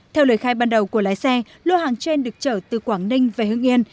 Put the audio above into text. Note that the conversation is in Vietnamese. theo lời khai ban đầu của lái xe lô hàng trên được chở từ quảng ninh về hưng yên